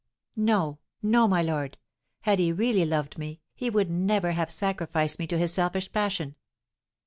"No, no, my lord; had he really loved me, he would never have sacrificed me to his selfish passion.